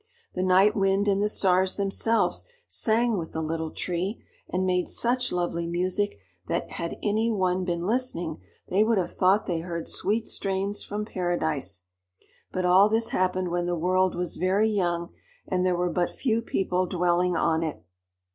The Night Wind and the Stars themselves sang with the Little Tree, and made such lovely music that had any one been listening, they would have thought they heard sweet strains from paradise. But all this happened when the world was very young, and there were but few people dwelling on it.